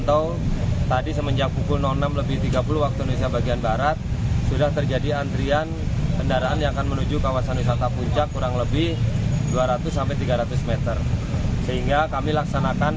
pasok pasok bogor sudah melakukan penyelamatkan